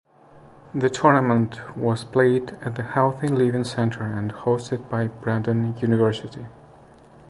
The tournament was played at the Healthy Living Centre and hosted by Brandon University.